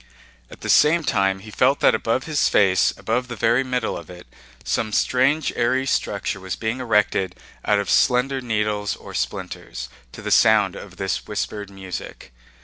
At the same time he felt that above his face, above the very middle of it, some strange airy structure was being erected out of slender needles or splinters, to the sound of this whispered music.